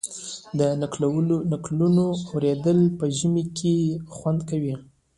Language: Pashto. د نکلونو اوریدل په ژمي کې خوند کوي.